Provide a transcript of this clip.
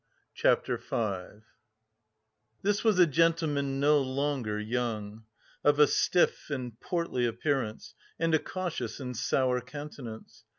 CHAPTER V This was a gentleman no longer young, of a stiff and portly appearance, and a cautious and sour countenance.